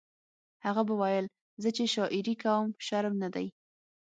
هغه به ویل زه چې شاعري کوم شرم نه دی